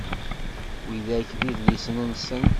Widak d idlisen-nsen.